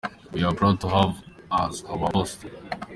we are proud to have as our Apostle.